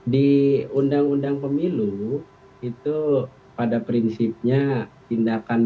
di undang undang pemilu pada prinsipnya